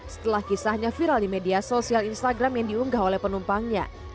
setelah kisahnya viral di media sosial instagram yang diunggah oleh penumpangnya